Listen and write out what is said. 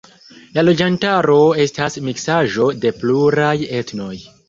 La loĝantaro estas miksaĵo de pluraj etnoj.